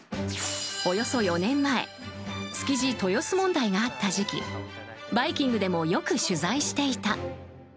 およそ４年前築地・豊洲問題があった時期「バイキング」でもよく取材していた。